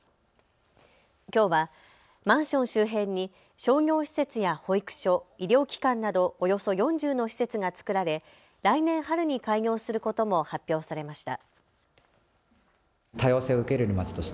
きょうはマンション周辺に商業施設や保育所、医療機関などおよそ４０の施設が作られ来年春に開業することも発表されました。